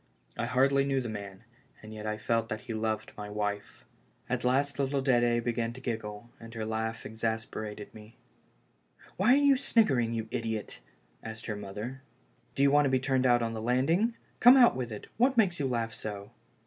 I hardly knew the man, and yet I felt that he loved my wife. At last little Dedc began to giggle, and her laugh exasperated me. "Why are you sniggering, you idiot?" asked her mother. " Do you want to be turned out on the land ing? Come, out with it; what makes you laugh so?"